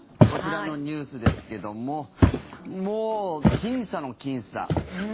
こちらのニュースですけどももう、きん差のきん差。